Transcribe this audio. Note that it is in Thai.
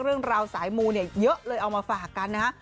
เรื่องราวสายมูเนี่ยเยอะเลยเอามาฝากกันนะฮะ